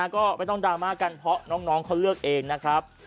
ก็ไม่ต้องดราม่ากันเพราะน้องเขาเลือกเองนะครับ